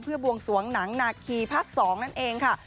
เพื่อบวงสวงหนังนาคีภาค๒นั่นเองค่ะ